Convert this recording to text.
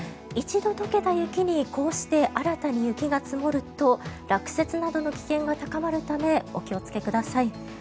一度解けた雪にこうして新たに雪が積もると落雪などの危険が高まるためお気をつけください。